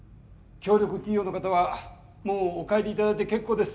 協力企業の方はもうお帰りいただいて結構です。